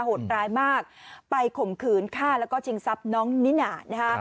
โหดร้ายมากไปข่มขืนฆ่าแล้วก็ชิงทรัพย์น้องนิน่านะคะ